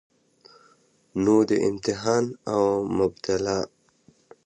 نو د ده امتحان او مبتلاء